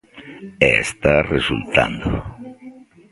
E está resultando.